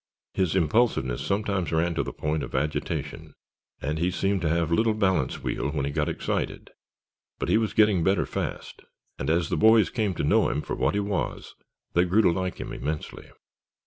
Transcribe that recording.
His impulsiveness sometimes ran to the point of agitation and he seemed to have little balance wheel when he got excited, but he was getting better fast and as the boys came to know him for what he was they grew to like him immensely.